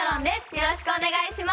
よろしくお願いします。